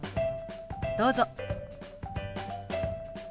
どうぞ。